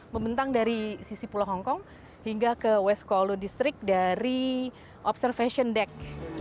membentang dari sisi pulau hongkong hingga ke west callow district dari observation deck